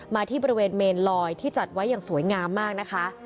ที่บริเวณเมนลอยที่จัดไว้อย่างสวยงามมากนะคะ